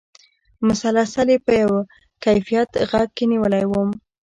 مسلسل یې په یوه کیفیت غېږ کې نېولی وم.